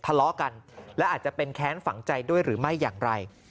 ทะเลาะกันและอาจจะเป็นแค้นฝังใจด้วยหรือไม่อย่างไร